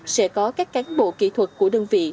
sẽ có các cán bộ kỹ thuật của đơn vị